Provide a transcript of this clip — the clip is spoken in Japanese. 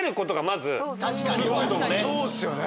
そうっすよね。